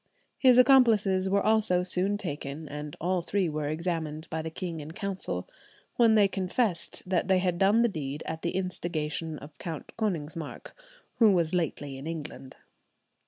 His accomplices were also soon taken, and all three were examined by the king in Council, when they confessed that they had done the deed at the instigation of Count Konigsmark, "who was lately in England."